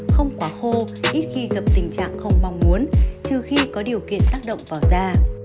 không quả khô ít khi gặp tình trạng không mong muốn trừ khi có điều kiện tác động bỏ da